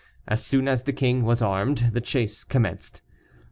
As soon as the king was armed, the chase commenced.